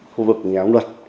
khu vực nhà ông luật